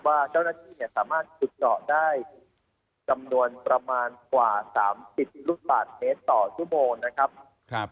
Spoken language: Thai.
ว่าเจ้าหน้าที่เนี่ยสามารถขุดเจาะได้จำนวนประมาณกว่า๓๐ลูกบาทเมตรต่อชั่วโมงนะครับ